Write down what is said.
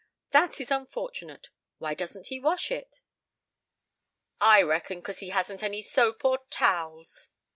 That is unfortunate. Why doesn't he wash it?" "I reckon 'cause he hasn't any soap or towels."